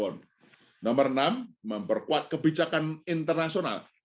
nomor enam memperkuat kebijakan internasional